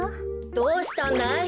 どうしたんだい？